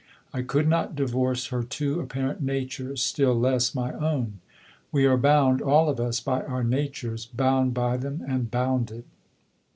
I could not divorce her two apparent natures, still less my own. We are bound all of us by our natures, bound by them and bounded.